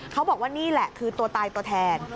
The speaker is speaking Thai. เขาบอกว่านี่แหละคือตัวตายตัวแทน